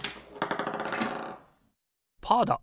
パーだ！